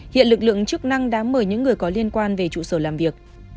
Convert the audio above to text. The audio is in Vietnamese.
hiện lực lượng chức năng đã mời những người có liên quan về trụ sở làm việc